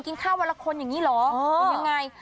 กินข้าววันละคนอย่างนี้เหรอหรือยังไง